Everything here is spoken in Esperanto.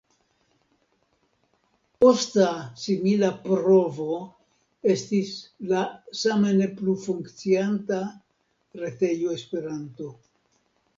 Posta simila provo estis la same ne plu funkcianta retejo Esperanto.